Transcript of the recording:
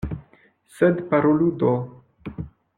Sed parolu do.